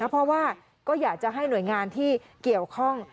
เพราะว่าก็อยากจะให้หน่วยงานที่เกี่ยวข้อง